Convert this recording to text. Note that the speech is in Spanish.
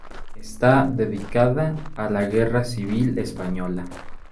Está dedicada a la Guerra Civil Española.